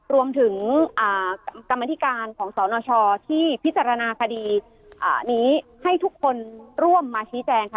รวมถึงกรรมธิการของสนชที่พิจารณาคดีนี้ให้ทุกคนร่วมมาชี้แจงค่ะ